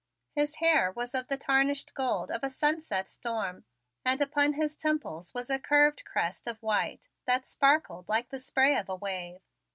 His hair was of the tarnished gold of a sunset storm and upon his temples was a curved crest of white that sparkled like the spray of a wave.